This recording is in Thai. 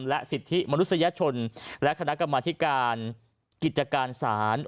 และสิทธิมนุษยชนและคณะกรรมธิการกิจการศาล